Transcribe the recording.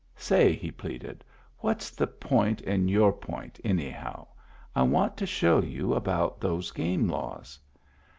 Say," he pleaded, " what's the point in your point, anyhow? I want to show you about those game laws."